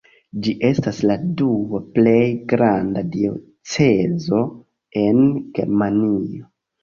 Ĝi estas la dua plej granda diocezo en Germanio.